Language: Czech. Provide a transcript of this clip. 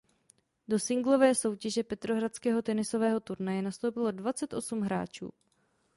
Do singlové soutěže petrohradského tenisového turnaje nastoupilo dvacet osm hráčů.